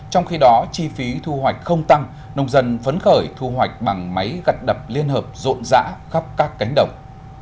trong khi đó chi phí thu hoạch không tăng nông dân phấn khởi thu hoạch bằng máy gặt đập liên hợp rộn rã khắp các cánh đồng